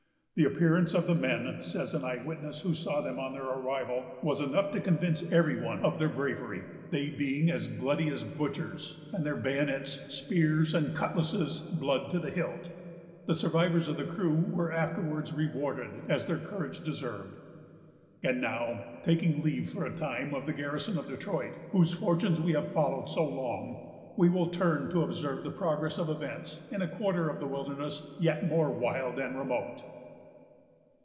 "The appearance of the men," says an eye witness who saw them on their arrival, "was enough to convince every one of their bravery; they being as bloody as butchers, and their bayonets, spears, and cutlasses, blood to the hilt." The survivors of the crew were afterwards rewarded as their courage deserved. And now, taking leave, for a time, of the garrison of Detroit, whose fortunes we have followed so long, we will turn to observe the progress of events in a quarter of the wilderness yet more wild and remote.